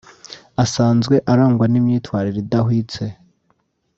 asanzwe arangwa n’imyitwarire idahwitse